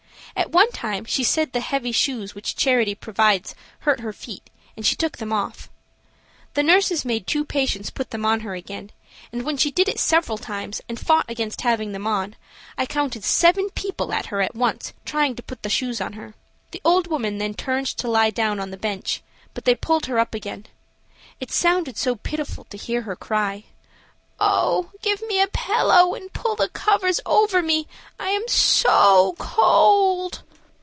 At one time she said the heavy shoes which charity provides hurt her feet, and she took them off. The nurses made two patients put them on her again, and when she did it several times, and fought against having them on, I counted seven people at her at once trying to put the shoes on her. The old woman then tried to lie down on the bench, but they pulled her up again. It sounded so pitiful to hear her cry: "Oh, give me a pillow and pull the covers over me, I am so cold."